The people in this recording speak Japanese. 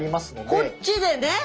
こっちでね。